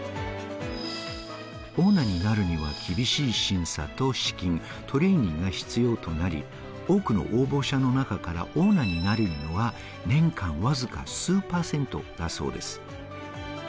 オーナーになるには厳しい審査と資金、トレーニングが必要となり、多くの応募者の中からオーナーになれるのは年間、わずか数％だそうです。